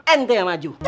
ada yang maju